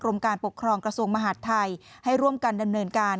การปกครองกระทรวงมหาดไทยให้ร่วมกันดำเนินการ